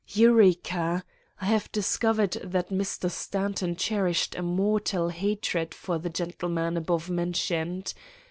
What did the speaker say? "Eureka! I have discovered that Mr. Stanton cherished a mortal hatred for the gentleman above mentioned.